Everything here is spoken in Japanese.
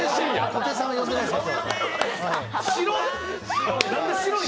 小手さんは呼んでないです。